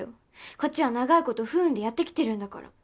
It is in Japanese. こっちは長いこと不運でやってきてるんだから。